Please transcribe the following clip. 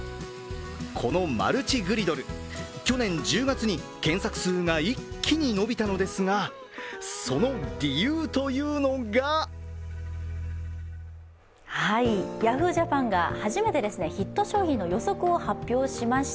このマルチグリドル、去年１０月に検索数が一気に伸びたのですがその理由というのがＹａｈｏｏ！Ｊａｐａｎが初めてヒット商品の予測を発表しました。